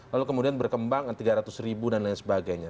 lalu kemudian berkembang tiga ratus ribu dan lain sebagainya